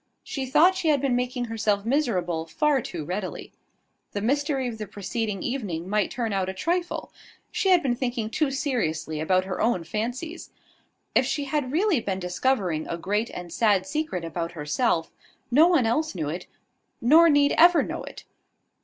She thought she had been making herself miserable far too readily. The mystery of the preceding evening might turn out a trifle: she had been thinking too seriously about her own fancies. If she had really been discovering a great and sad secret about herself, no one else knew it, nor need ever know it.